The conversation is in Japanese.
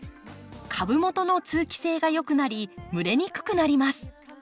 株元の通気性が良くなり蒸れにくくなります。